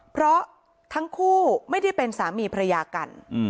เพราะทั้งคู่ไม่ได้เป็นสามีภรรยากัน